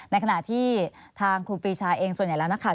ในขณะที่ทางครูปีชาเองส่วนใหญ่แล้วนะคะ